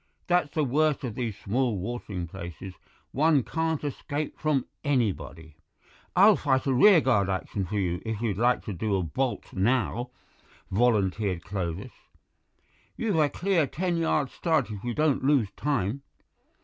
That's the worst of these small watering places; one can't escape from anybody." "I'll fight a rearguard action for you if you like to do a bolt now," volunteered Clovis; "you've a clear ten yards start if you don't lose time."